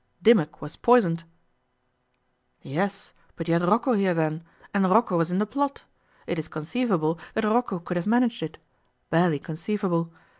'Dimmock was poisoned.' 'Yes, but you had Rocco here then, and Rocco was in the plot. It is conceivable that Rocco could have managed it barely conceivable.